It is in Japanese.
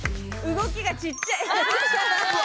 動きがちっちゃい！